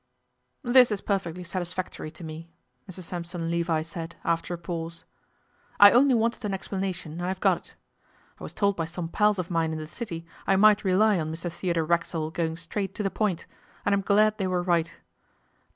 'This is perfectly satisfactory to me,' Mr Sampson Levi said, after a pause. 'I only wanted an explanation, and I've got it. I was told by some pals of mine in the City I might rely on Mr Theodore Racksole going straight to the point, and I'm glad they were right.